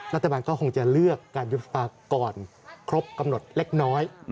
รัฐบาลก็คงจะเลือกการยุบสภาก่อนครบกำหนดเล็กน้อย